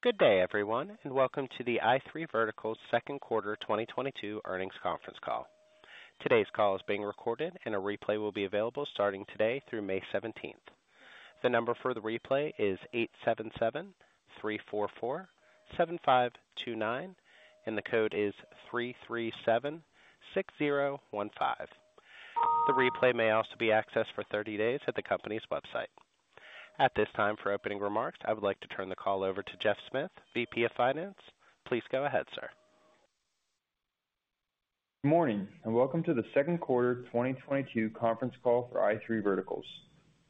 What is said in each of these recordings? Good day, everyone, and welcome to the i3 Verticals second quarter 2022 earnings conference call. Today's call is being recorded, and a replay will be available starting today through May 17th. The number for the replay is 877-344-7529, and the code is 3376015. The replay may also be accessed for 30 days at the company's website. At this time, for opening remarks, I would like to turn the call over to Geoff Smith, VP of Finance. Please go ahead, sir. Good morning, and welcome to the second quarter 2022 conference call for i3 Verticals.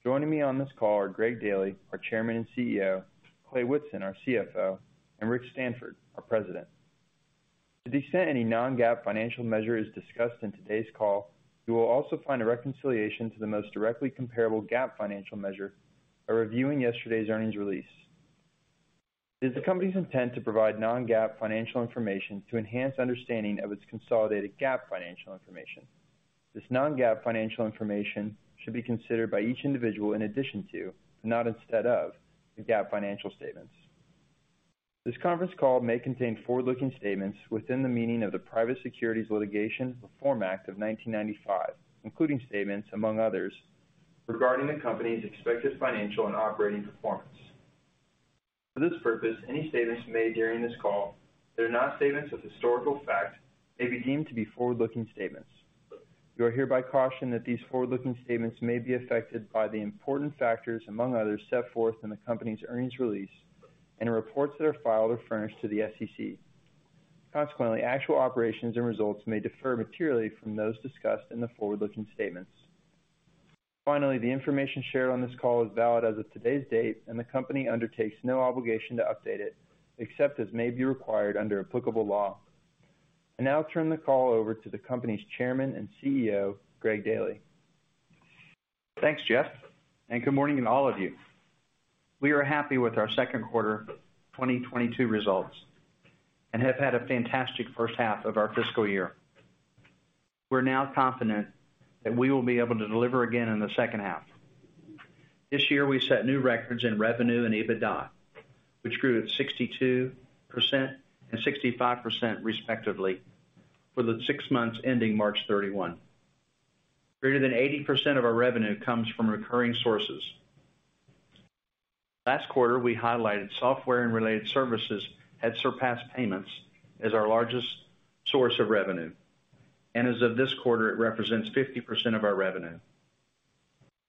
Joining me on this call are Greg Daily, our Chairman and CEO, Clay Whitson, our CFO, and Rick Stanford, our President. To the extent any non-GAAP financial measure is discussed in today's call, you will also find a reconciliation to the most directly comparable GAAP financial measure by reviewing yesterday's earnings release. It is the company's intent to provide non-GAAP financial information to enhance understanding of its consolidated GAAP financial information. This non-GAAP financial information should be considered by each individual in addition to, and not instead of, the GAAP financial statements. This conference call may contain forward-looking statements within the meaning of the Private Securities Litigation Reform Act of 1995, including statements among others regarding the company's expected financial and operating performance. For this purpose, any statements made during this call that are not statements of historical fact may be deemed to be forward-looking statements. You are hereby cautioned that these forward-looking statements may be affected by the important factors, among others, set forth in the company's earnings release and in reports that are filed or furnished to the SEC. Consequently, actual operations and results may differ materially from those discussed in the forward-looking statements. Finally, the information shared on this call is valid as of today's date, and the company undertakes no obligation to update it, except as may be required under applicable law. I'll now turn the call over to the company's Chairman and CEO, Greg Daily. Thanks, Geoff, and good morning to all of you. We are happy with our second quarter 2022 results, and have had a fantastic first half of our fiscal year. We're now confident that we will be able to deliver again in the second half. This year, we set new records in revenue and EBITDA, which grew at 62% and 65% respectively for the six months ending March 31. Greater than 80% of our revenue comes from recurring sources. Last quarter, we highlighted software and related services had surpassed payments as our largest source of revenue, and as of this quarter, it represents 50% of our revenue.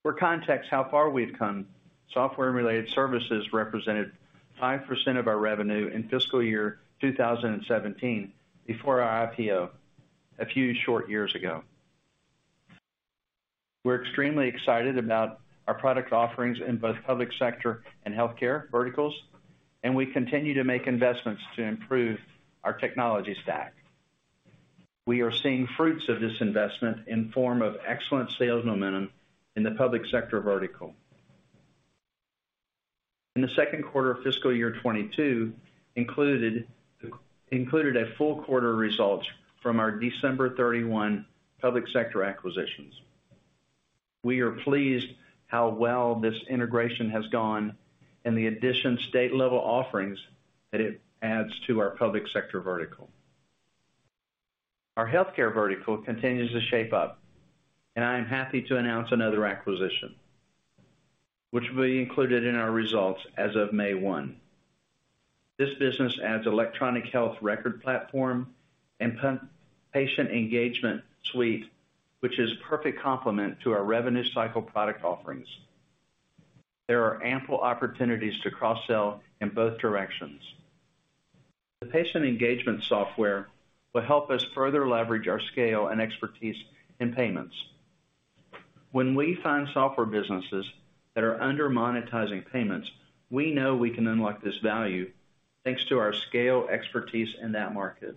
For context, how far we've come, software and related services represented 5% of our revenue in fiscal year 2017 before our IPO a few short years ago. We're extremely excited about our product offerings in both public sector and healthcare verticals, and we continue to make investments to improve our technology stack. We are seeing fruits of this investment in the form of excellent sales momentum in the public sector vertical. The second quarter of fiscal year 2022 included a full quarter's results from our December 31 public sector acquisitions. We are pleased how well this integration has gone and the addition of state-level offerings that it adds to our public sector vertical. Our healthcare vertical continues to shape up, and I am happy to announce another acquisition, which will be included in our results as of May 1. This business adds electronic health record platform and patient engagement suite, which is perfect complement to our revenue cycle product offerings. There are ample opportunities to cross-sell in both directions. The patient engagement software will help us further leverage our scale and expertise in payments. When we find software businesses that are under-monetizing payments, we know we can unlock this value thanks to our scale expertise in that market,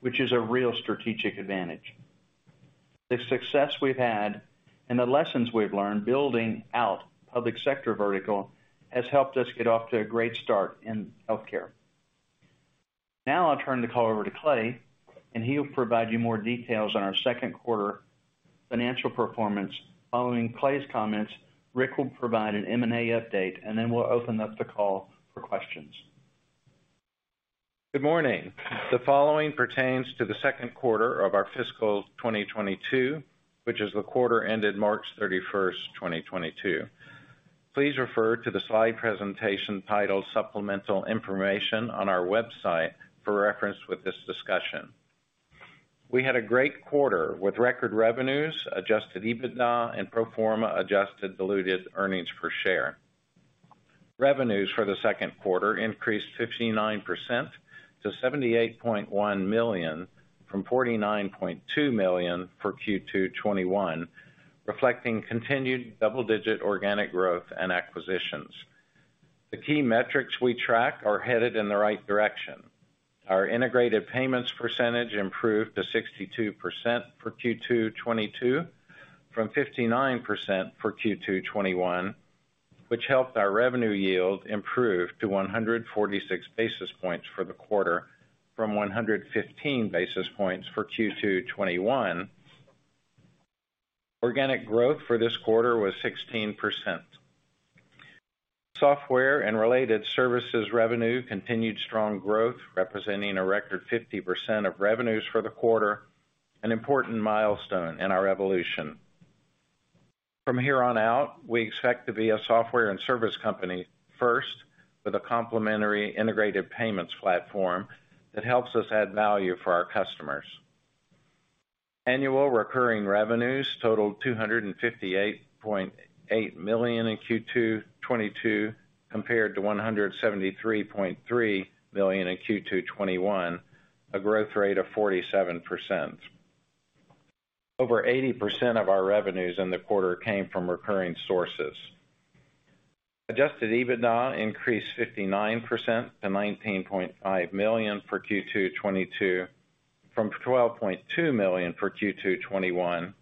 which is a real strategic advantage. The success we've had and the lessons we've learned building out public sector vertical has helped us get off to a great start in healthcare. Now I'll turn the call over to Clay, and he'll provide you more details on our second quarter financial performance. Following Clay's comments, Rick will provide an M&A update, and then we'll open up the call for questions. Good morning. The following pertains to the second quarter of our fiscal 2022, which is the quarter ended March 31st, 2022. Please refer to the slide presentation titled Supplemental Information on our website for reference with this discussion. We had a great quarter with record revenues, adjusted EBITDA, and pro forma adjusted diluted earnings per share. Revenues for the second quarter increased 59% to $78.1 million from $49.2 million for Q2 2021, reflecting continued double-digit organic growth and acquisitions. The key metrics we track are headed in the right direction. Our integrated payments percentage improved to 62% for Q2 2022 from 59% for Q2 2021, which helped our revenue yield improve to 146 basis points for the quarter from 115 basis points for Q2 2021. Organic growth for this quarter was 16%. Software and related services revenue continued strong growth, representing a record 50% of revenues for the quarter, an important milestone in our evolution. From here on out, we expect to be a software and service company first, with a complementary integrated payments platform that helps us add value for our customers. Annual recurring revenues totaled $258.8 million in Q2 2022, compared to $173.3 million in Q2 2021, a growth rate of 47%. Over 80% of our revenues in the quarter came from recurring sources. Adjusted EBITDA increased 59% to $19.5 million for Q2 2022, from $12.2 million for Q2 2021.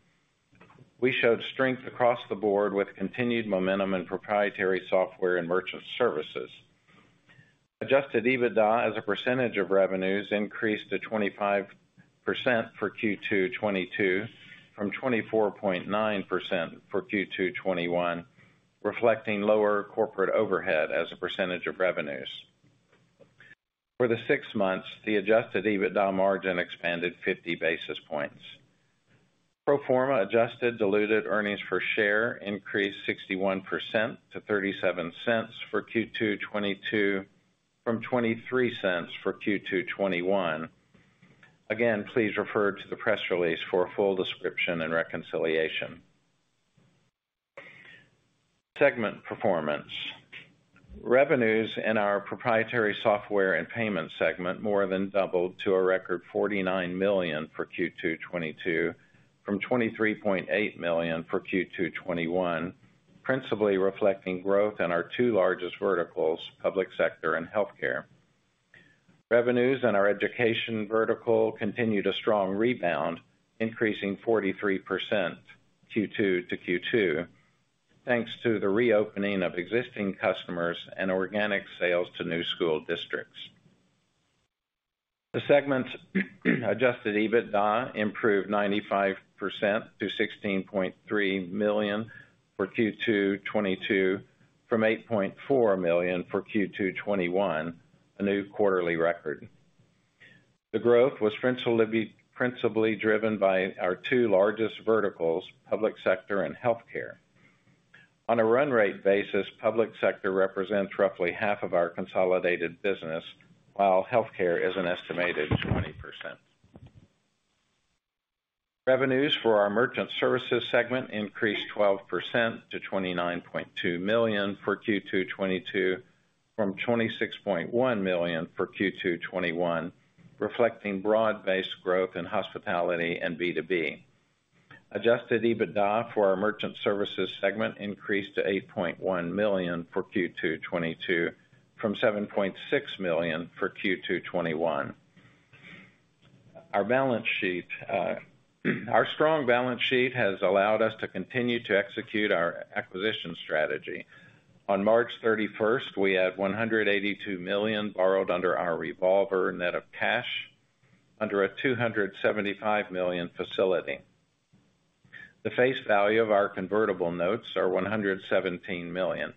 We showed strength across the board, with continued momentum in proprietary software and merchant services. Adjusted EBITDA as a percentage of revenues increased to 25% for Q2 2022, from 24.9% for Q2 2021, reflecting lower corporate overhead as a percentage of revenues. For the six months, the adjusted EBITDA margin expanded 50 basis points. Pro forma adjusted diluted earnings per share increased 61% to $0.37 for Q2 2022, from $0.23 for Q2 2021. Again, please refer to the press release for a full description and reconciliation. Segment performance. Revenues in our proprietary software and payments segment more than doubled to a record $49 million for Q2 2022, from $23.8 million for Q2 2021, principally reflecting growth in our two largest verticals, public sector and healthcare. Revenues in our education vertical continued a strong rebound, increasing 43% Q2 to Q2, thanks to the reopening of existing customers and organic sales to new school districts. The segment's adjusted EBITDA improved 95% to $16.3 million for Q2 2022, from $8.4 million for Q2 2021, a new quarterly record. The growth was principally driven by our two largest verticals, public sector and healthcare. On a run rate basis, public sector represents roughly half of our consolidated business, while healthcare is an estimated 20%. Revenues for our merchant services segment increased 12% to $29.2 million for Q2 2022, from $26.1 million for Q2 2021, reflecting broad-based growth in hospitality and B2B. Adjusted EBITDA for our merchant services segment increased to $8.1 million for Q2 2022, from $7.6 million for Q2 2021. Our balance sheet. Our strong balance sheet has allowed us to continue to execute our acquisition strategy. On March 31st, we had $182 million borrowed under our revolver net of cash, under a $275 million facility. The face value of our convertible notes is $117 million.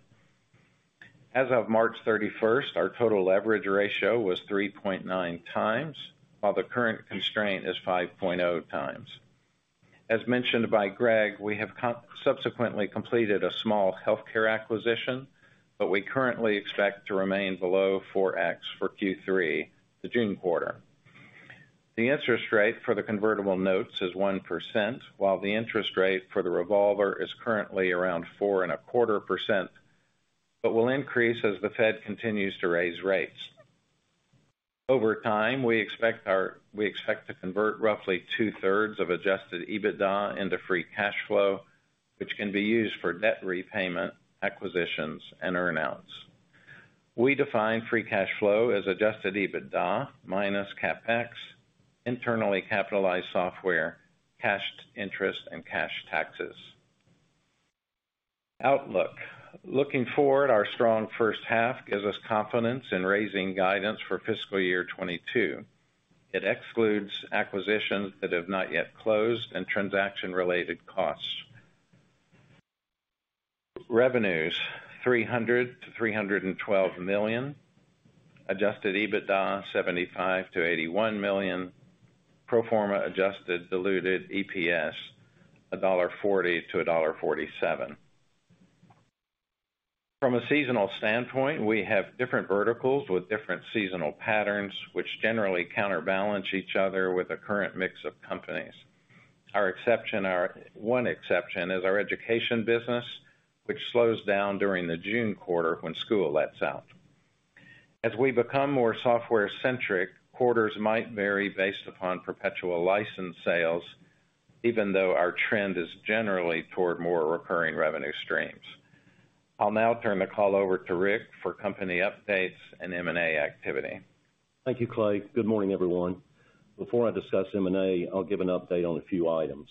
As of March 31st, our total leverage ratio was 3.9x, while the current constraint is 5.0x. As mentioned by Greg, we have subsequently completed a small healthcare acquisition, but we currently expect to remain below 4x for Q3, the June quarter. The interest rate for the convertible notes is 1%, while the interest rate for the revolver is currently around 4.25%, but will increase as the Fed continues to raise rates. Over time, we expect to convert roughly 2/3 of adjusted EBITDA into free cash flow, which can be used for debt repayment, acquisitions, and earn outs. We define free cash flow as adjusted EBITDA minus CapEx, internally capitalized software, cash interest and cash taxes. Outlook. Looking forward, our strong first half gives us confidence in raising guidance for fiscal year 2022. It excludes acquisitions that have not yet closed and transaction-related costs. Revenues, $300 million-$312 million. Adjusted EBITDA, $75 million-$81 million. Pro forma adjusted diluted EPS, $1.40-$1.47 per diluted share. From a seasonal standpoint, we have different verticals with different seasonal patterns, which generally counterbalance each other with the current mix of companies. One exception is our education business, which slows down during the June quarter when school lets out. As we become more software-centric, quarters might vary based upon perpetual license sales, even though our trend is generally toward more recurring revenue streams. I'll now turn the call over to Rick for company updates and M&A activity. Thank you, Clay. Good morning, everyone. Before I discuss M&A, I'll give an update on a few items.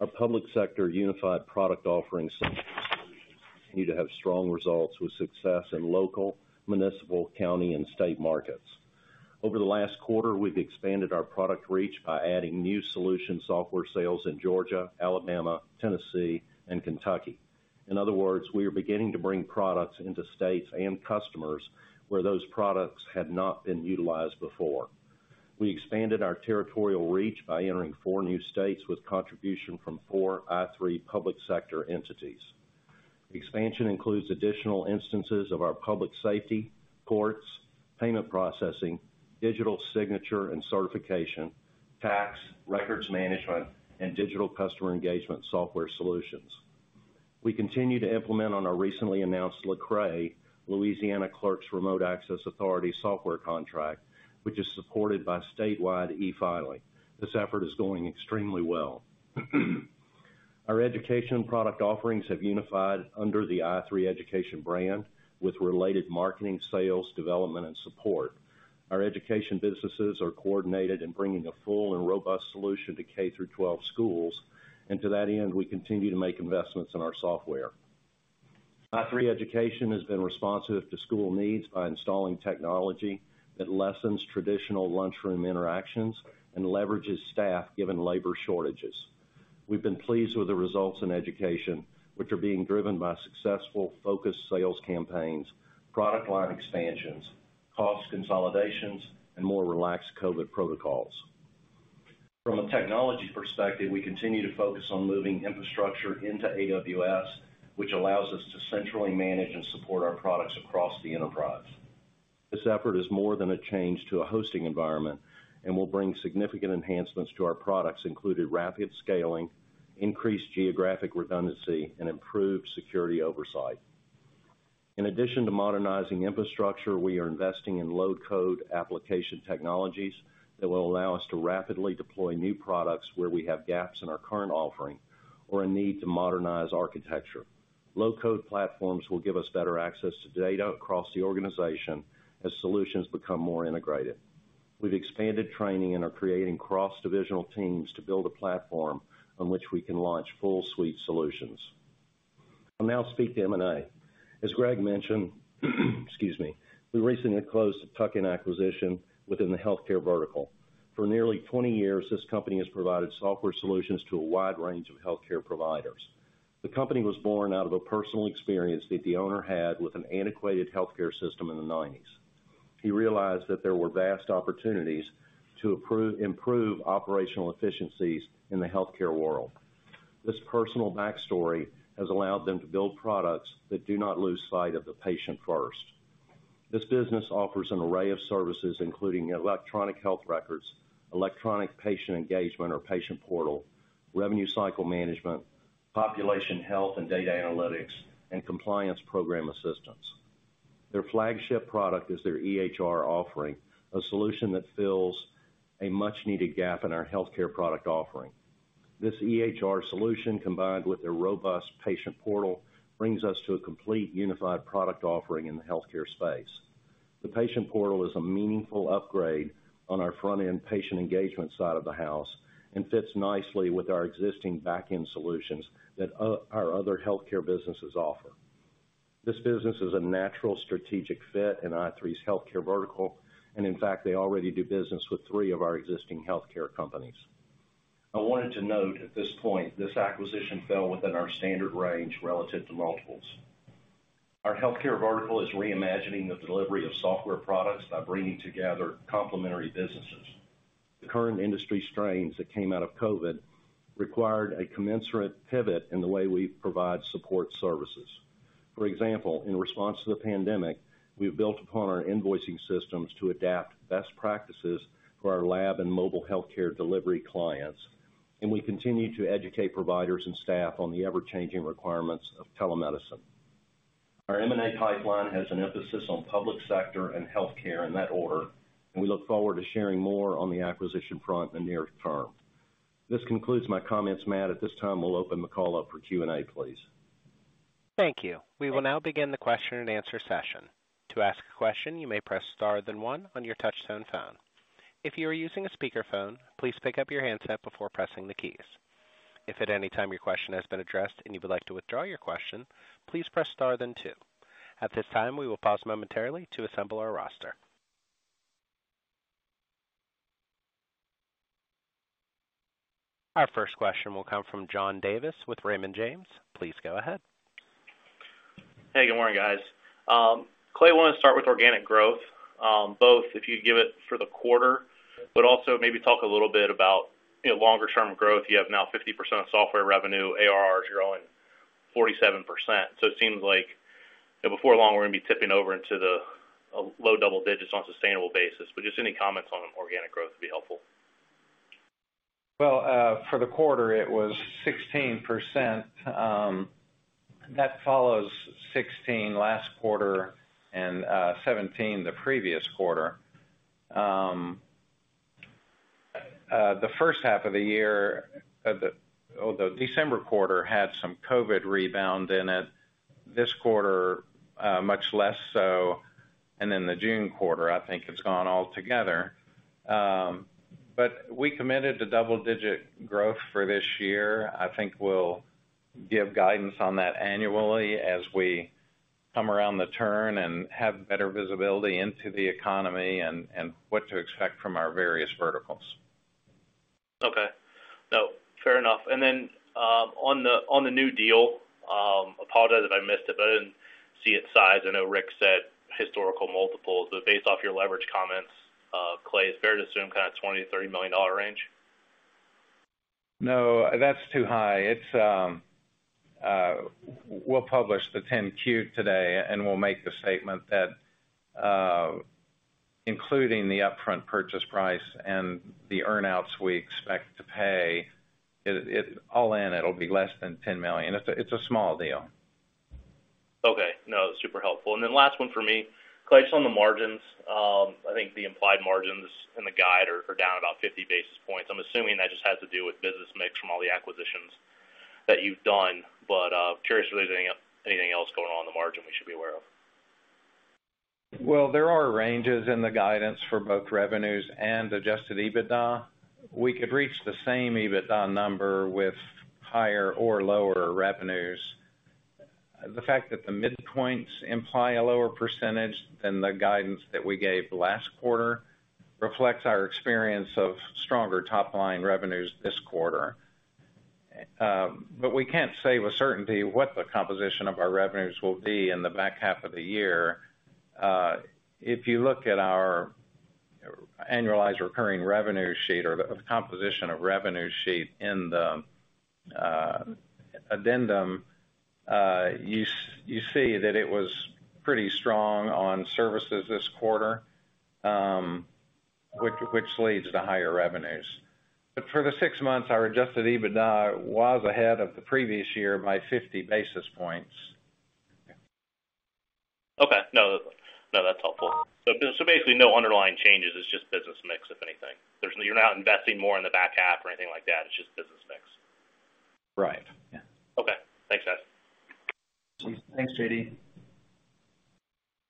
Our public sector unified product offering continues to have strong results with success in local, municipal, county, and state markets. Over the last quarter, we've expanded our product reach by adding new solution software sales in Georgia, Alabama, Tennessee, and Kentucky. In other words, we are beginning to bring products into states and customers where those products had not been utilized before. We expanded our territorial reach by entering four new states with contribution from four i3 public sector entities. Expansion includes additional instances of our public safety, courts, payment processing, digital signature, and certification, tax, records management, and digital customer engagement software solutions. We continue to implement on our recently announced LCRAA, Louisiana Clerks' Remote Access Authority software contract, which is supported by statewide e-filing. This effort is going extremely well. Our education product offerings have unified under the i3 Education brand with related marketing, sales, development, and support. Our education businesses are coordinated in bringing a full and robust solution to K-12 schools. To that end, we continue to make investments in our software. i3 Education has been responsive to school needs by installing technology that lessens traditional lunchroom interactions and leverages staff given labor shortages. We've been pleased with the results in education, which are being driven by successful focused sales campaigns, product line expansions, cost consolidations, and more relaxed COVID protocols. From a technology perspective, we continue to focus on moving infrastructure into AWS, which allows us to centrally manage and support our products across the enterprise. This effort is more than a change to a hosting environment and will bring significant enhancements to our products, including rapid scaling, increased geographic redundancy, and improved security oversight. In addition to modernizing infrastructure, we are investing in low-code application technologies that will allow us to rapidly deploy new products where we have gaps in our current offering or a need to modernize architecture. Low-code platforms will give us better access to data across the organization as solutions become more integrated. We've expanded training and are creating cross-divisional teams to build a platform on which we can launch full suite solutions. I'll now speak about M&A. As Greg mentioned, excuse me, we recently closed a tuck-in acquisition within the healthcare vertical. For nearly 20 years, this company has provided software solutions to a wide range of healthcare providers. The company was born out of a personal experience that the owner had with an antiquated healthcare system in the nineties. He realized that there were vast opportunities to improve operational efficiencies in the healthcare world. This personal backstory has allowed them to build products that do not lose sight of the patient first. This business offers an array of services, including electronic health records, electronic patient engagement or patient portal, revenue cycle management, population health and data analytics, and compliance program assistance. Their flagship product is their EHR offering, a solution that fills a much-needed gap in our healthcare product offering. This EHR solution, combined with their robust patient portal, brings us to a complete unified product offering in the healthcare space. The patient portal is a meaningful upgrade on our front-end patient engagement side of the house and fits nicely with our existing back-end solutions that our other healthcare businesses offer. This business is a natural strategic fit in i3's healthcare vertical, and in fact, they already do business with three of our existing healthcare companies. I wanted to note at this point, this acquisition fell within our standard range relative to multiples. Our healthcare vertical is reimagining the delivery of software products by bringing together complementary businesses. The current industry strains that came out of COVID required a commensurate pivot in the way we provide support services. For example, in response to the pandemic, we've built upon our invoicing systems to adapt best practices for our lab and mobile healthcare delivery clients, and we continue to educate providers and staff on the ever-changing requirements of telemedicine. Our M&A pipeline has an emphasis on public sector and healthcare in that order, and we look forward to sharing more on the acquisition front in the near term. This concludes my comments. At this time, we'll open the call up for Q&A, please. Thank you. We will now begin the question-and-answer session. To ask a question, you may press star, then one on your touch-tone phone. If you are using a speakerphone, please pick up your handset before pressing the keys. If at any time your question has been addressed and you would like to withdraw your question, please press star then two. At this time, we will pause momentarily to assemble our roster. Our first question will come from John Davis with Raymond James. Please go ahead. Hey, good morning, guys. Clay, I wanna start with organic growth, both if you could give it for the quarter, but also maybe talk a little bit about, you know, longer-term growth. You have now 50% of software revenue, ARR is growing 47%. It seems like, you know, before long, we're gonna be tipping over into the low double digits on a sustainable basis. Just any comments on organic growth would be helpful. For the quarter, it was 16%. That follows 16% last quarter and 17% the previous quarter. The first half of the year, although December quarter had some COVID rebound in it, this quarter much less so. In the June quarter, I think it's gone altogether. We committed to double-digit growth for this year. I think we'll give guidance on that annually as we come around the turn and have better visibility into the economy and what to expect from our various verticals. Okay. No, fair enough. On the new deal, apologize if I missed it, but I didn't see its size. I know Rick said historical multiples, but based off your leverage comments, Clay, is it fair to assume kinda $20 million-$30 million range? No, that's too high. We'll publish the 10-Q today, and we'll make the statement that, including the upfront purchase price and the earn-outs we expect to pay, it all in, it'll be less than $10 million. It's a small deal. Okay. No, super helpful. Then last one for me. Clay, just on the margins. I think the implied margins in the guide are down about 50 basis points. I'm assuming that just has to do with business mix from all the acquisitions that you've done, but curious if there's anything else going on in the margin we should be aware of? Well, there are ranges in the guidance for both revenues and adjusted EBITDA. We could reach the same EBITDA number with higher or lower revenues. The fact that the midpoints imply a lower percentage than the guidance that we gave last quarter reflects our experience of stronger top-line revenues this quarter. We can't say with certainty what the composition of our revenues will be in the back half of the year. If you look at our annualized recurring revenue sheet or the composition of revenue sheet in the addendum, you see that it was pretty strong on services this quarter, which leads to higher revenues. For the six months, our adjusted EBITDA was ahead of the previous year by 50 basis points. Okay. No, no, that's helpful. Basically, no underlying changes, it's just business mix, if anything. You're not investing more in the back half or anything like that, it's just business mix? Right. Yeah. Okay. Thanks, guys. Thanks, JD.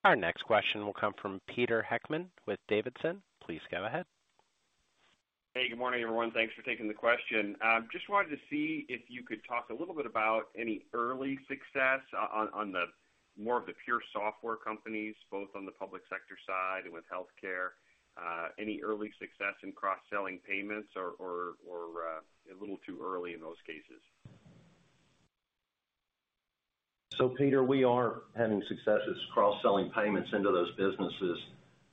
Our next question will come from Peter Heckmann with D.A. Davidson. Please go ahead. Hey, good morning, everyone. Thanks for taking the question. Just wanted to see if you could talk a little bit about any early success on the more of the pure software companies, both on the public sector side and with healthcare. Any early success in cross-selling payments or a little too early in those cases? Peter, we are having successes cross-selling payments into those businesses.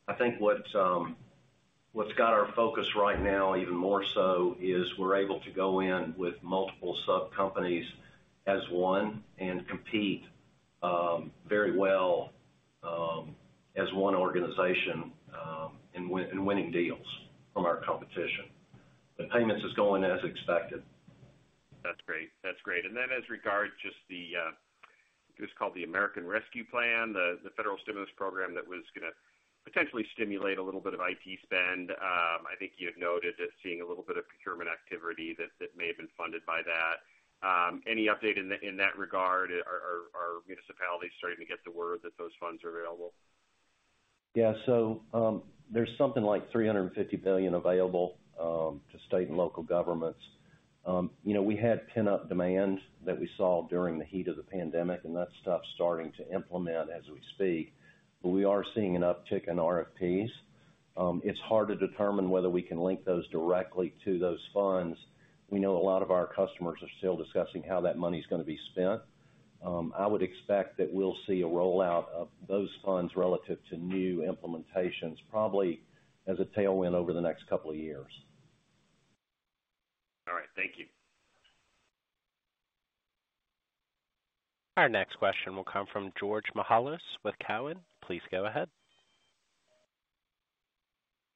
I think what's got our focus right now, even more so, is we're able to go in with multiple sub-companies as one and compete very well as one organization in winning deals from our competition. The payments is going as expected. That's great. As regards just the American Rescue Plan, the federal stimulus program that was gonna potentially stimulate a little bit of IT spend. I think you had noted that seeing a little bit of procurement activity that may have been funded by that. Any update in that regard? Are municipalities starting to get the word that those funds are available? Yeah. There's something like $350 billion available to state and local governments. You know, we had pent-up demand that we saw during the heat of the pandemic, and that stuff's starting to implement as we speak, but we are seeing an uptick in RFPs. It's hard to determine whether we can link those directly to those funds. We know a lot of our customers are still discussing how that money's gonna be spent. I would expect that we'll see a rollout of those funds relative to new implementations, probably as a tailwind over the next couple of years. All right. Thank you. Our next question will come from George Mihalos with Cowen. Please go ahead.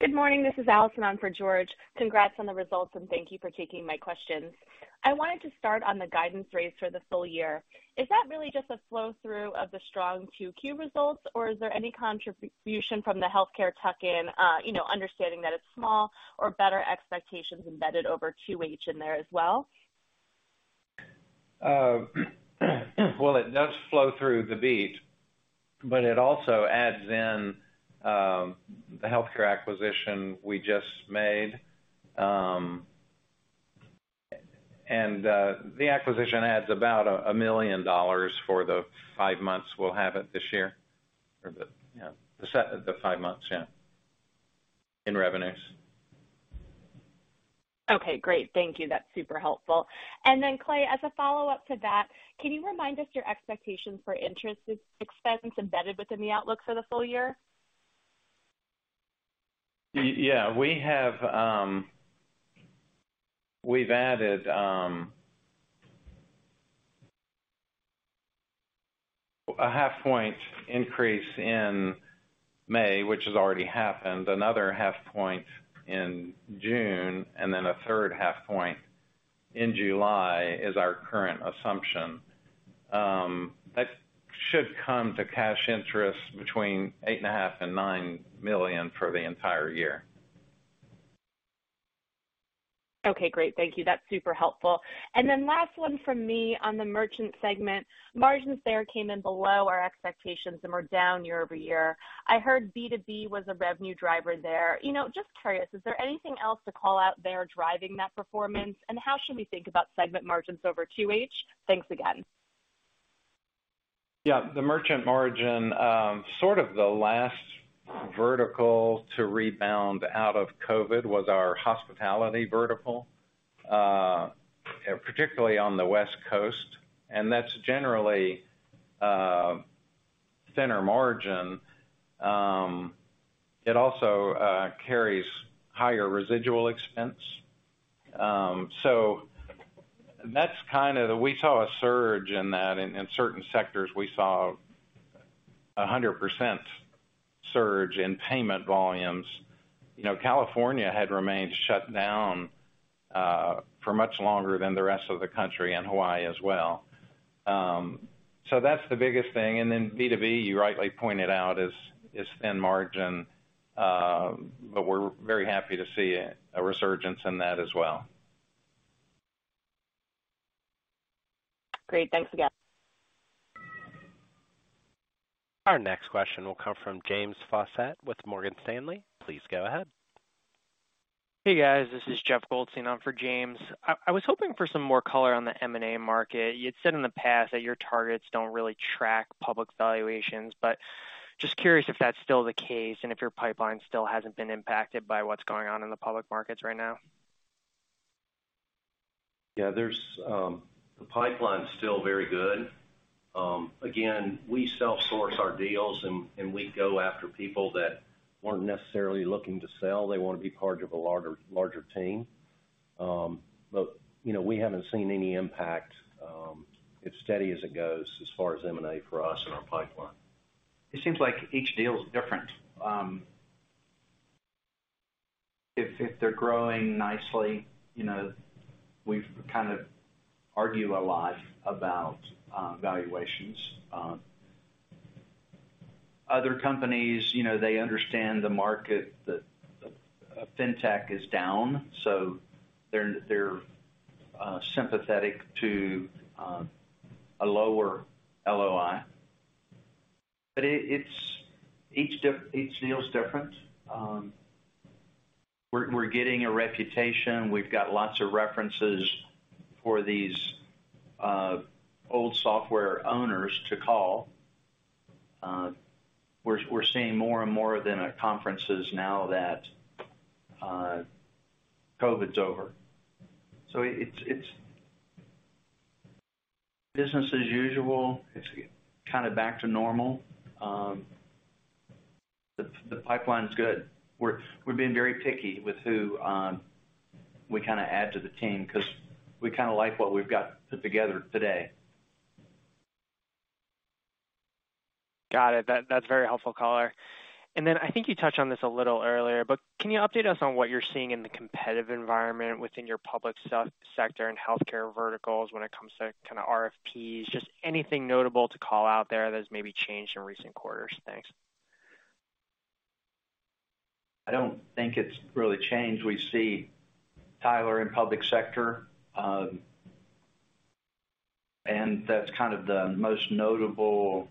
Good morning. This is Allison on for George. Congrats on the results, and thank you for taking my questions. I wanted to start on the guidance raise for the full year. Is that really just a flow-through of the strong 2Q results, or is there any contribution from the healthcare tuck-in, you know, understanding that it's small or better expectations embedded over 2H in there as well? Well, it does flow through the beat, but it also adds in the healthcare acquisition we just made. The acquisition adds about $1 million for the five months we'll have it this year. The five months in revenues. Okay, great. Thank you. That's super helpful. Clay, as a follow-up to that, can you remind us your expectations for interest expense embedded within the outlook for the full year? Yeah, we've added 50 basis point increase in May, which has already happened, another 50 basis point in June, and then a third half point in July is our current assumption. That should come to cash interest between $8.5 million and $9 million for the entire year. Okay, great. Thank you. That's super helpful. Then last one from me. On the merchant segment, margins there came in below our expectations and were down year-over-year. I heard B2B was a revenue driver there. You know, just curious, is there anything else to call out there driving that performance? How should we think about segment margins over 2H? Thanks again. Yeah, the merchant margin, sort of the last vertical to rebound out of COVID was our hospitality vertical, particularly on the West Coast, and that's generally a thinner margin. It also carries higher residual expense. So that's kind of. We saw a surge in that. In certain sectors, we saw 100% surge in payment volumes. You know, California had remained shut down, for much longer than the rest of the country, and Hawaii as well. So that's the biggest thing. Then B2B, you rightly pointed out, is thin margin, but we're very happy to see a resurgence in that as well. Great. Thanks again. Our next question will come from James Faucette with Morgan Stanley. Please go ahead. Hey, guys. This is Jeff Goldstein on for James. I was hoping for some more color on the M&A market. You'd said in the past that your targets don't really track public valuations, but just curious if that's still the case and if your pipeline still hasn't been impacted by what's going on in the public markets right now. Yeah, there's the pipeline's still very good. Again, we self-source our deals and we go after people that weren't necessarily looking to sell. They wanna be part of a larger team. You know, we haven't seen any impact, as steady as it goes as far as M&A for us and our pipeline. It seems like each deal is different. If they're growing nicely, you know, we've kind of argue a lot about valuations. Other companies, you know, they understand the market that fintech is down, so they're sympathetic to a lower LOI. Each deal is different. We're getting a reputation. We've got lots of references for these old software owners to call. We're seeing more and more of them at conferences now that COVID's over. It's business as usual. It's kinda back to normal. The pipeline's good. We're being very picky with who we kinda add to the team 'cause we kinda like what we've got put together today. Got it. That's a very helpful color. Then I think you touched on this a little earlier, but can you update us on what you're seeing in the competitive environment within your public sector and healthcare verticals when it comes to kinda RFPs? Just anything notable to call out there that has maybe changed in recent quarters? Thanks. I don't think it's really changed. We see Tyler Technologies in public sector, and that's kind of the most notable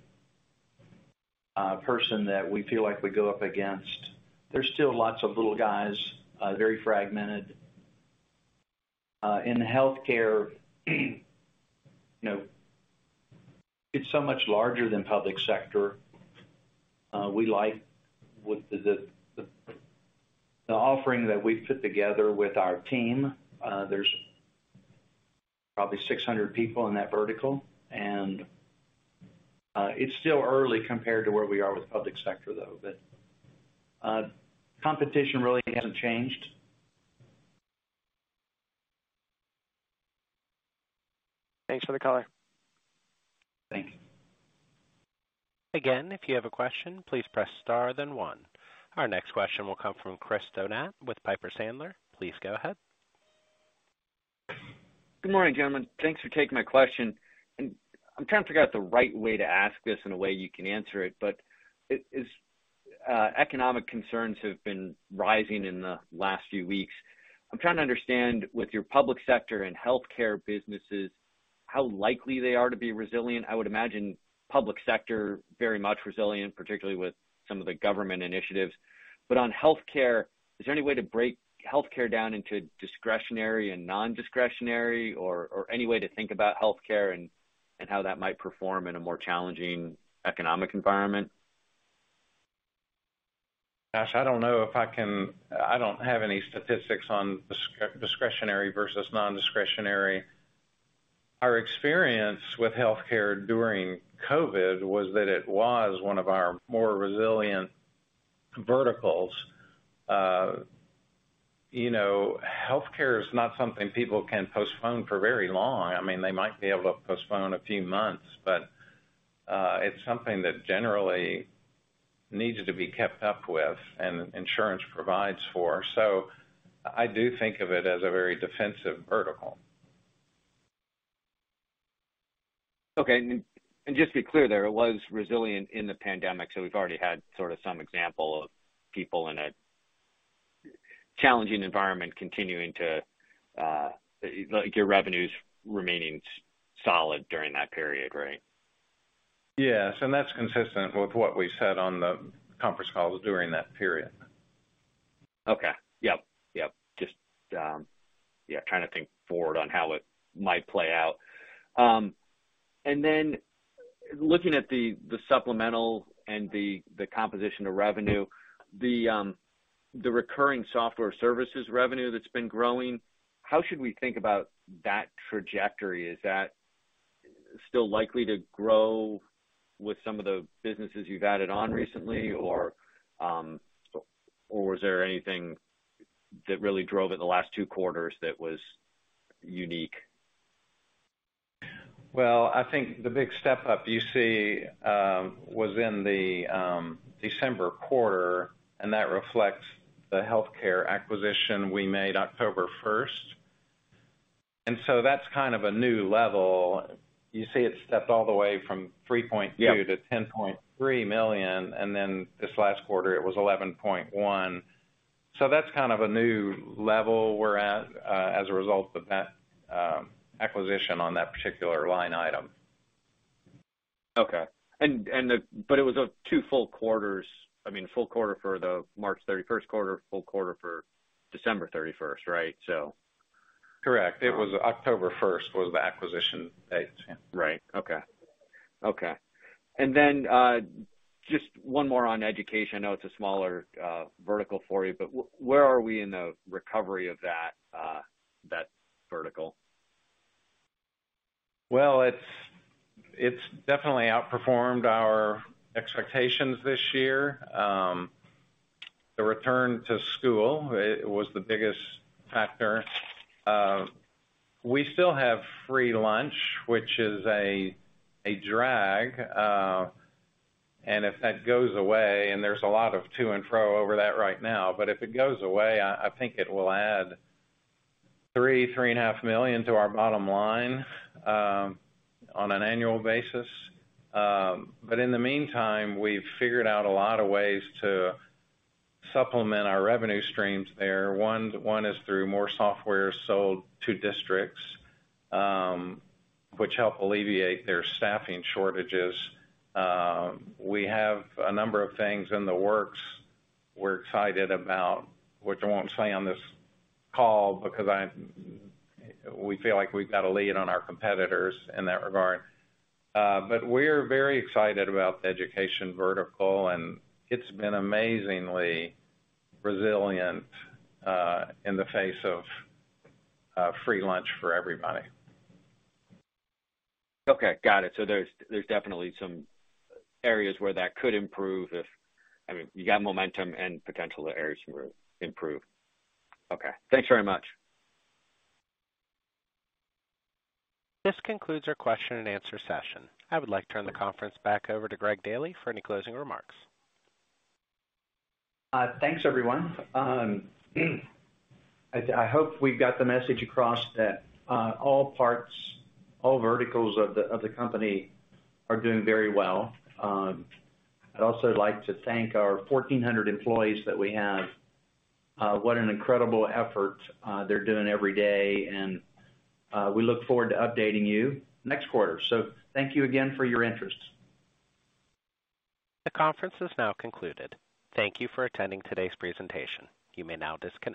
person that we feel like we go up against. There's still lots of little guys, very fragmented. In healthcare, you know, it's so much larger than public sector. We like with the offering that we've put together with our team. There's probably 600 people in that vertical, and it's still early compared to where we are with public sector, though. Competition really hasn't changed. Thanks for the color. Thank you. Again, if you have a question, please press star then one. Our next question will come from Chris Donat with Piper Sandler. Please go ahead. Good morning, gentlemen. Thanks for taking my question. I'm trying to figure out the right way to ask this in a way you can answer it, but as economic concerns have been rising in the last few weeks, I'm trying to understand, with your public sector and healthcare businesses, how likely they are to be resilient. I would imagine public sector very much resilient, particularly with some of the government initiatives. On healthcare, is there any way to break healthcare down into discretionary and non-discretionary, or any way to think about healthcare and how that might perform in a more challenging economic environment? Gosh, I don't know if I can. I don't have any statistics on discretionary versus non-discretionary. Our experience with healthcare during COVID was that it was one of our more resilient verticals. You know, healthcare is not something people can postpone for very long. I mean, they might be able to postpone a few months, but it's something that generally needs to be kept up with and insurance provides for. I do think of it as a very defensive vertical. Okay. Just to be clear there, it was resilient in the pandemic, so we've already had sort of some example of people in a challenging environment continuing to like your revenues remaining solid during that period, right? Yes, that's consistent with what we said on the conference calls during that period. Okay. Yep. Just, yeah, trying to think forward on how it might play out. Looking at the supplemental and the composition of revenue, the recurring software services revenue that's been growing, how should we think about that trajectory? Is that still likely to grow with some of the businesses you've added on recently, or was there anything that really drove it the last two quarters that was unique? Well, I think the big step up you see was in the December quarter, and that reflects the healthcare acquisition we made October 1st. That's kind of a new level. You see it stepped all the way from $3.2 million to $10.3 million, and then this last quarter it was $11.1 million. That's kind of a new level we're at as a result of that acquisition on that particular line item. Okay. But it was two full quarters. I mean, full quarter for the March 31st quarter, full quarter for the December 31st quarter, right? Correct. It was October 1st, the acquisition date. Right. Okay. Just one more on education. I know it's a smaller vertical for you, but where are we in the recovery of that vertical? Well, it's definitely outperformed our expectations this year. The return to school it was the biggest factor. We still have free lunch, which is a drag. If that goes away, and there's a lot of to and fro over that right now, but if it goes away, I think it will add $3.5 million to our bottom line on an annual basis. In the meantime, we've figured out a lot of ways to supplement our revenue streams there. One is through more software sold to districts, which help alleviate their staffing shortages. We have a number of things in the works we're excited about, which I won't say on this call because we feel like we've got a lead on our competitors in that regard. We're very excited about the education vertical, and it's been amazingly resilient in the face of free lunch for everybody. Okay, got it. There's definitely some areas where that could improve. I mean, you got momentum and potential areas to improve. Okay. Thanks very much. This concludes our question-and-answer session. I would like to turn the conference back over to Greg Daily for any closing remarks. Thanks, everyone. I hope we've got the message across that all parts, all verticals of the company are doing very well. I'd also like to thank our 1,400 employees that we have. What an incredible effort they're doing every day. We look forward to updating you next quarter. Thank you again for your interest. The conference is now concluded. Thank you for attending today's presentation. You may now disconnect.